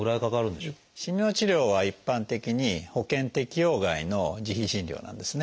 しみの治療は一般的に保険適用外の自費診療なんですね。